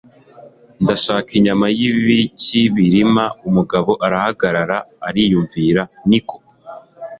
ndashaka inyama y'ikibirima. umugabo arahagarara ariyumvira, ni ko